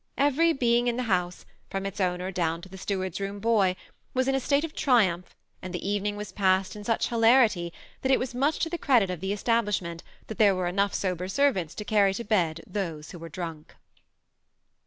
Every being in the bouse, from its owner down to steward's room boy, was in a state of triumph, and the evening was passed in such hilarity, that it was much to the credit of the establishment that there were enough sober servants to carry to bed those who were drank.